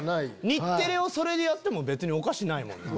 日テレをそれでやっても別におかしないもんな。